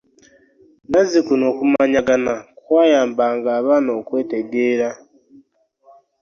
Nazzikuno okumanyagana kwayambanga abaana okwetegeera.